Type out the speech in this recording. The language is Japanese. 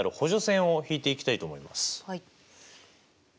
はい。